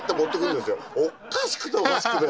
おかしくておかしくて。